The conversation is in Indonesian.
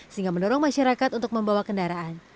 sehingga mendorong masyarakat untuk membawa kendaraan